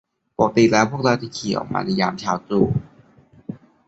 ปกติแล้วพวกเราจะขี่ออกมาในยามเช้าตรู่